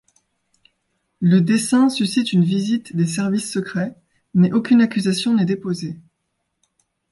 Le dessin suscite une visite des services secrets, mais aucune accusation n'est déposée.